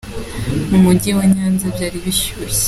Mu mujyi wa Nyanza byari bishyushye.